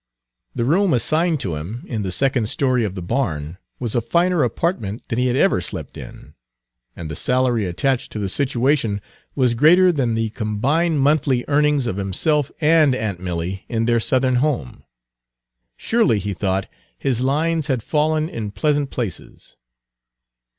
The room assigned to him, in the second story of the barn, was a finer apartment than he had ever slept in; and the salary attached to the situation was greater than the combined monthly earnings of himself and aunt Milly in their Southern home. Surely, he thought, his lines had fallen in pleasant places.